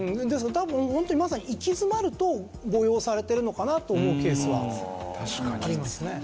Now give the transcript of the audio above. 多分ホントにまさに「行き詰まる」と誤用されてるのかなと思うケースはありますね。